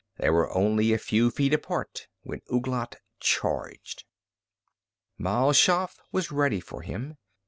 They were only a few feet apart when Ouglat charged. Mal Shaff was ready for him.